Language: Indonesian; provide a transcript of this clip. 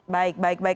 baik baik baik